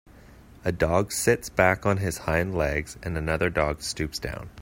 A dog sits back on his hind legs and another dog stoops down.